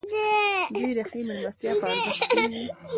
دوی د ښې مېلمستیا په ارزښت پوه وو.